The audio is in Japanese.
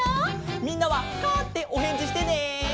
みんなは「カァ」っておへんじしてね！